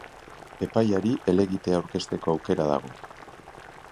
Epaiari helegitea aurkezteko aukera dago.